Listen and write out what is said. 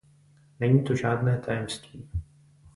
Není to žádné tajemství.